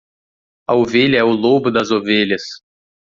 A ovelha é o lobo das ovelhas.